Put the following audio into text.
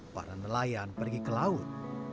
para nelayan pergi ke laut